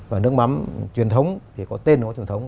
và nước mắm truyền thống thì có tên của nó truyền thống